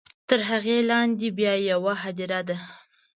تر هغې لاندې بیا یوه هدیره ده.